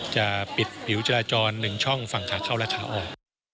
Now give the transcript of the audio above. จะปิดผิวจราจร๑ช่องฝั่งขาเข้าและขาออก